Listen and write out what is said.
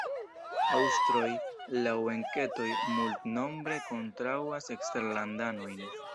Aŭstroj, laŭ enketoj, multnombre kontraŭas eksterlandanojn.